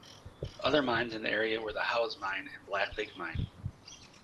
Other mines in the area were the Howse Mine, and Black Lake Mine.